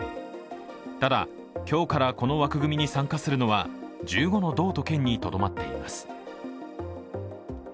ただ、今日からこの枠組みに参加するのは１５の道と県にとどまっています。